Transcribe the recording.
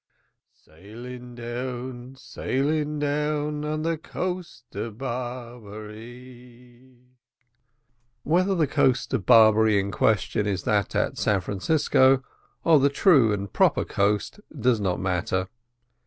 "Sailing down, sailing down On the coast of Barbaree." Whether the coast of Barbary in question is that at San Francisco, or the true and proper coast, does not matter.